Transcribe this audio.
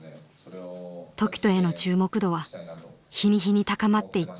凱人への注目度は日に日に高まっていった。